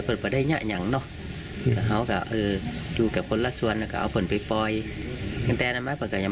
หลายครั้งหรือครับท่าน